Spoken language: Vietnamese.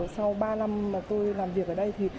sau ba năm mà tôi làm việc ở đây thì